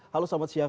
halo selamat siang